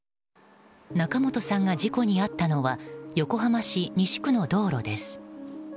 仲本さんが事故に遭ったのは横浜市西区の道路です。